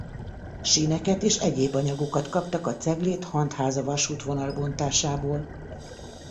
Síneket és egyéb anyagokat kaptak a Cegléd–Hantháza-vasútvonal bontásából.